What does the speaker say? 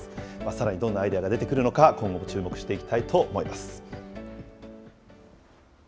さらにどんなアイデアが出てくるのか、今後も注目していきたいと思います。